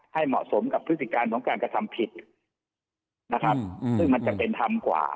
เหมาะสมกับพฤติการของการกระทำผิดนะครับซึ่งมันจะเป็นธรรมกว่า